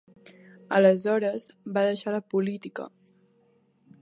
Aleshores va deixar la política.